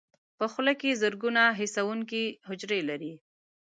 په خوله کې زرګونه حسونکي حجرې لري.